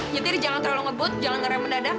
nyetir jangan terlalu ngebut jangan mendadak